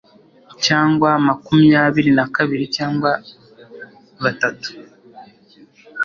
Cyangwa makumyabiri na kabiri cyangwa batatu